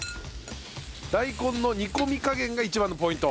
大根の煮込み加減が一番のポイント。